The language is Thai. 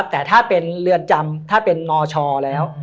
แต่ถ้าเป็นเรือนจำถ้าเป็นนชแล้ว